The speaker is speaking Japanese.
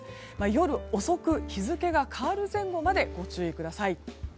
夜遅く、日付が変わる前後までご注意ください。